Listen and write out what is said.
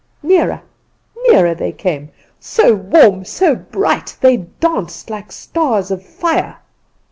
Nearer, nearer they came. So warm, so bright, they danced like stars of fire.